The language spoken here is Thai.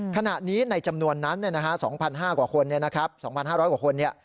ขณะนี้ในจำนวนนั้น๒๕๐๐กว่าคน